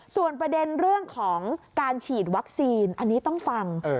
ส่วนประเด็นเรื่องของการฉีดวัคซีนอันนี้ต้องฟัง